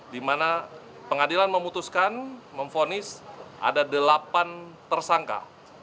dimana pengadilan memutuskan memfonis ada delapan tersangka